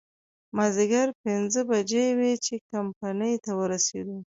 مازديګر پينځه بجې وې چې کمپنۍ ته ورسېدو.